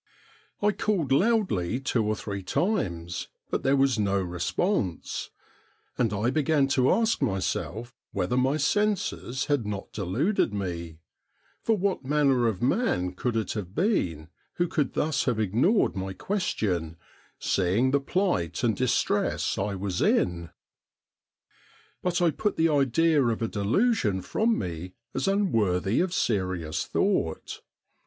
I called loudly two or three times, but there was no response, and I began to ask myself whether my senses had not deluded me, for what manner of man could it have been who could thus have ignored my question, seeing the plight and distress I was in f But I put the idea of a delusion from me as unworthy of serious thought.